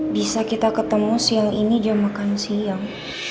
bisa kita ketemu siang ini jam makan siang